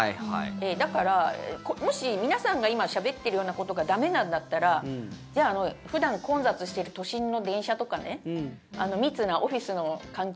だから、もし皆さんが今しゃべっているようなことが駄目なんだったらじゃあ、普段混雑している都心の電車とか密なオフィスの環境